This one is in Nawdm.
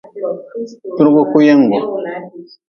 Turgu kuyingu.